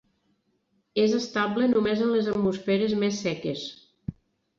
És estable només en les atmosferes més seques.